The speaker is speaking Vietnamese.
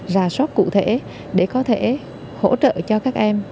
ra soát cụ thể để có thể hỗ trợ cho các em